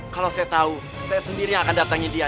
kalau saya tahu saya sendiri yang akan datangi dia